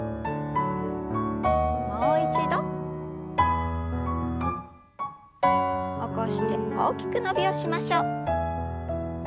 もう一度。起こして大きく伸びをしましょう。